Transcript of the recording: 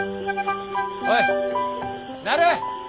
おいなる！